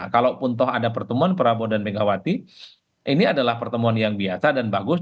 kalaupun toh ada pertemuan prabowo dan megawati ini adalah pertemuan yang biasa dan bagus